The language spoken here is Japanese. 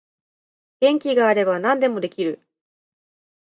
元気があれば何でもできる